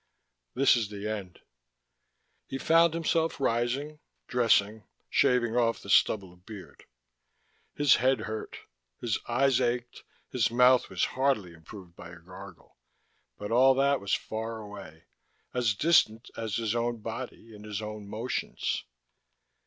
This is the end. He found himself rising, dressing, shaving off the stubble of beard. His head hurt, his eyes ached, his mouth was hardly improved by a gargle, but all that was far away, as distant as his own body and his own motions.